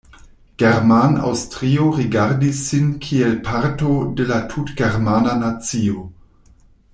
German-Aŭstrio rigardis sin kiel parto de la tutgermana nacio.